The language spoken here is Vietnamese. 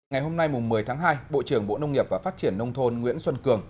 ngày hôm nay một mươi tháng hai bộ trưởng bộ nông nghiệp và phát triển nông thôn nguyễn xuân cường